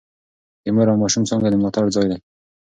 د مور او ماشوم څانګه د ملاتړ ځای دی.